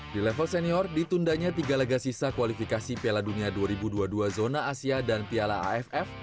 di level senior ditundanya tiga laga sisa kualifikasi piala dunia dua ribu dua puluh dua zona asia dan piala aff